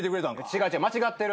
違う違う間違ってる。